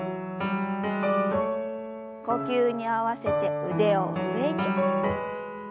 呼吸に合わせて腕を上に。